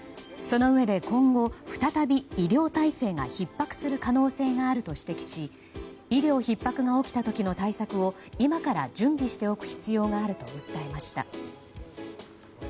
そのうえで今後、再び医療体制がひっ迫する可能性があると指摘し医療ひっ迫が起きた時の対策を今から準備しておく必要があると訴えました。